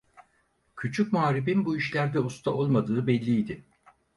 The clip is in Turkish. Küçük muharibin bu işlerde usta olmadığı belliydi.